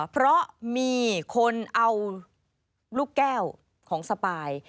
เพราะมีคนเอาลูกแก้วของสปาย